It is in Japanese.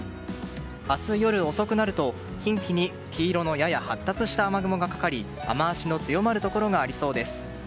明日夜遅くなると、近畿に黄色のやや発達した雨雲がかかり雨脚の強まるところがありそうです。